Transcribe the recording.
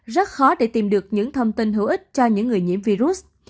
rất khó để tìm được những thông tin hữu ích cho những người nhiễm virus